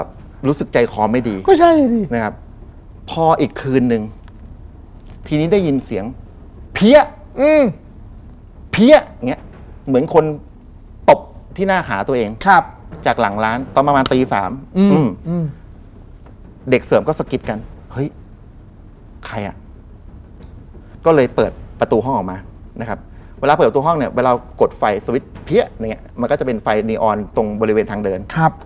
บ่อยสุดแล้วคนนี้